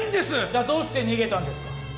じゃあどうして逃げたんですか？